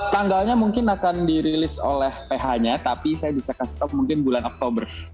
tanggalnya mungkin akan dirilis oleh ph nya tapi saya bisa kasih stop mungkin bulan oktober